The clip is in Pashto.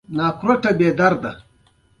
ایا ستاسو ساه به بندیږي؟